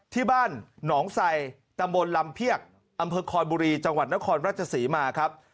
ที่บ้านหนองไซตำบลลำเพียกอำเภอคอนบุรีจังหวัดนครราชศรีมาครับ